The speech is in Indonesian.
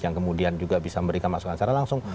yang kemudian juga bisa memberikan masukan secara langsung